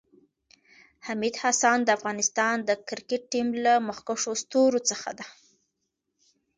حمید حسن د افغانستان د کريکټ ټیم له مخکښو ستورو څخه ده